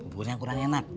buburnya kurang enak